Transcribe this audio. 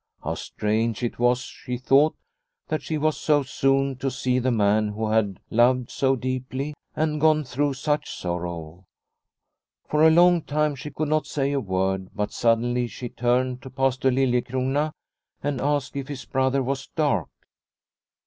How strange it was, she thought, that she was so soon to see the man who had loved so deeply and gone through such sorrow. For a long time she could not say a word, but sud denly she turned to Pastor Liliecrona and asked if his brother was dark.